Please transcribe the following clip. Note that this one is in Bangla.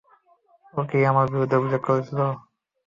ও কি আমার বিরুদ্ধে অভিযোগ করছিল?